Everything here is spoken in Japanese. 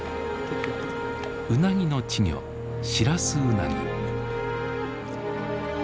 ウナギの稚魚シラスウナギ。